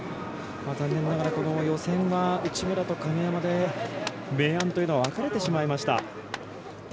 残念ながらこの予選は内村と亀山で明暗というのは分かれてしまいました。